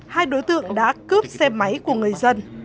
hai đối tượng đã cướp xe máy của người dân